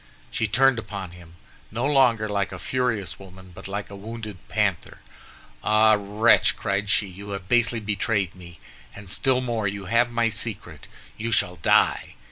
She turned upon him, no longer like a furious woman, but like a wounded panther. "Ah, wretch!" cried she, "you have basely betrayed me, and still more, you have my secret! You shall die."